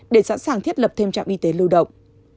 để sẵn sàng thiết lập thêm trạm y tế lưu động